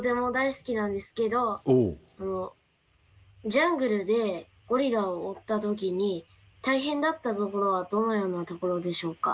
ジャングルでゴリラを追った時に大変だったところはどのようなところでしょうか？